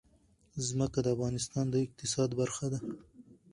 ځمکه د افغانستان د اقتصاد برخه ده.